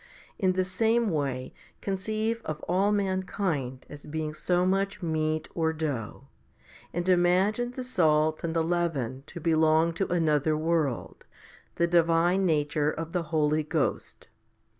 In the same way conceive of all mankind as being so much meat or dough, and imagine the salt and the leaven to belong to another world, the divine nature of the Holy Ghost.